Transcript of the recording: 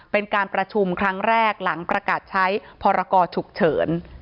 เป็นการประชุมครั้งแรกหลังประกาศใช้พรกรฉุกเฉิน